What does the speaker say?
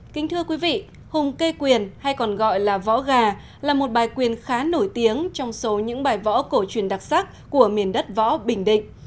kính thưa quý vị hùng kê quyền hay còn gọi là võ gà là một bài quyền khá nổi tiếng trong số những bài võ cổ truyền đặc sắc của miền đất võ bình định